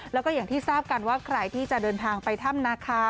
แล้วก็อย่างที่ทราบกันว่าใครที่จะเดินทางไปถ้ำนาคา